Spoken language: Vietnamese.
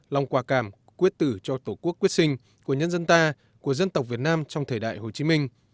lòng quả cảm quyết tử cho tổ quốc quyết sinh của nhân dân ta của dân tộc việt nam trong thời đại hồ chí minh